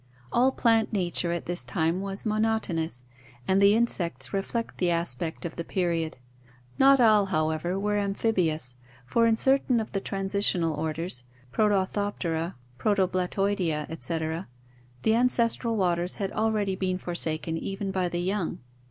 All plant nature at this time was monotonous and the insects reflect the aspect of the period. Not all, however, were amphibious, for in certain of the transitional orders, Protorthoptera, Proto blattoidea, etc., the ancestral waters had already been forsaken even by the young.